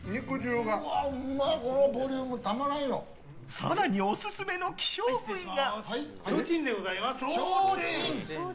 更にお店オススメの希少部位が。